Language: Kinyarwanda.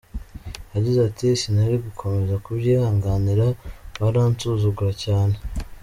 Yagize ati: “ Sinari gukomeza kubyihanganira baransuzugura cyane”.